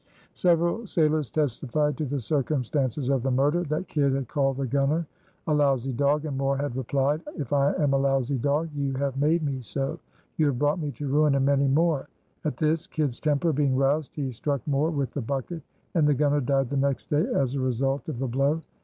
Several sailors testified to the circumstances of the murder, that Kidd had called the gunner "a lousy dog" and Moore had replied: "If I am a lousy dog you have made me so. You have brought me to ruin and many more." At this, Kidd's temper being roused, he struck Moore with the bucket, and the gunner died the next day as a result of the blow.